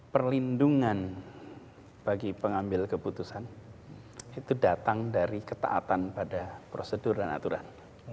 perlindungan bagi pengambil keputusan itu datang dari ketaatan pada prosedur dan aturan